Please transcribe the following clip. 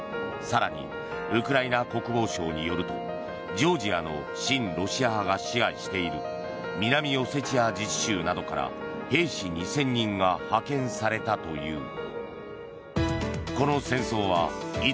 更にウクライナ国防省によるとジョージアの親ロシア派が支配している南オセチア自治州などから兵士２０００人が派遣されたという。